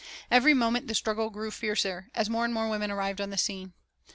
Every moment the struggle grew fiercer, as more and more women arrived on the scene.